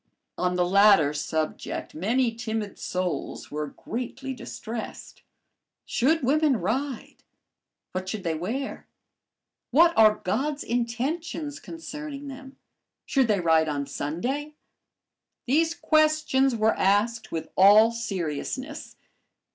On the latter subject many timid souls were greatly distressed. Should women ride? What should they wear? What are "God's intentions" concerning them? Should they ride on Sunday? These questions were asked with all seriousness.